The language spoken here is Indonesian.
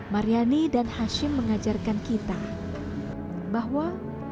maryani dan hashim mengajarkan kita bahwa